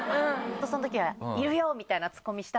そのときは「いるよ！」みたいなツッコミしたんですか？